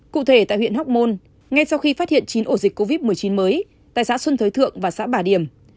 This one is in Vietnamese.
cụ thể tại huyện hóc môn ngay sau khi phát hiện chín ổ dịch covid một mươi chín mới tại xã xuân thới thượng và xã bà điểm